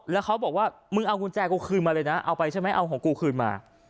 แล้วเขาบอกว่ามึงเอากุญแจกูคืนมาเลยนะเอาไปใช่ไหมเอาของกูคืนมา